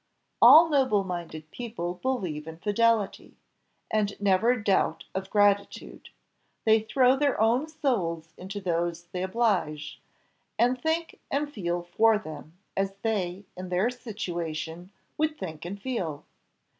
All noble minded people believe in fidelity, and never doubt of gratitude; they throw their own souls into those they oblige, and think and feel for them, as they, in their situation, would think and feel.